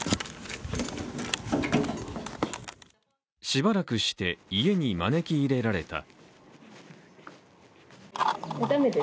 しばらくして、家に招き入れられた。